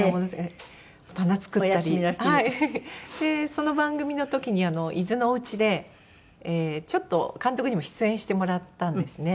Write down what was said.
その番組の時に伊豆のおうちでちょっと監督にも出演してもらったんですね。